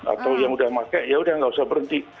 atau yang udah pakai yaudah nggak usah berhenti